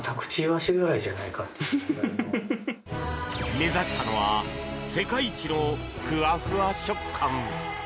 目指したのは世界一のふわふわ食感。